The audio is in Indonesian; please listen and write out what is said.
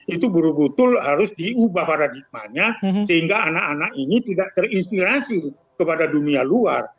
itu buru buru harus diubah paradigmanya sehingga anak anak ini tidak terinspirasi kepada dunia luar